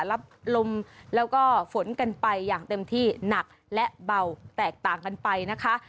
รับลมแล้วก็ฝนกันไปอย่างเต็มที่หนักและเบาแตกต่างกันไปนะคะ